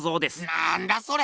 なんだそれ！